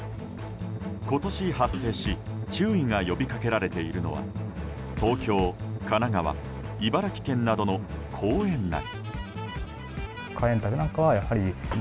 今年、発生し注意が呼びかけられているのは東京、神奈川、茨城県などの公園内。